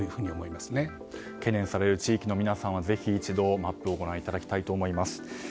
そういうものを懸念される地域の皆さんはぜひ一度マップをご覧いただきたいと思います。